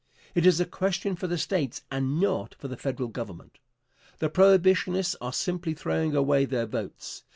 It is a question for the States and not for the Federal Government. The Prohibitionists are simply throwing away their votes.